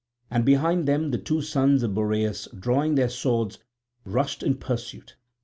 And behind them the two sons of Boreas raising their swords rushed in pursuit.